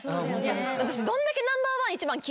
私どんだけ。